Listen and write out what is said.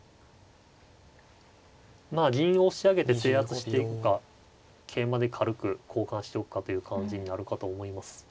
まあ銀を押し上げて制圧していくか桂馬で軽く交換しておくかという感じになるかと思います。